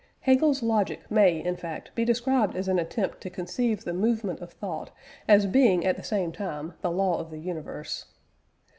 Hegel's logic may, in fact, be described as an attempt to conceive the movement of thought as being at the same time the law of the universe.